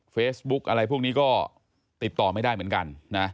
เฟซบุ๊กอะไรพวกนี้ก็ติดต่อไม่ได้เหมือนกันนะ